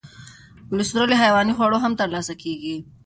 کلسترول له حیواني خوړو هم تر لاسه کېږي.